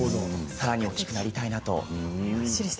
さらに大きくなりたいなと。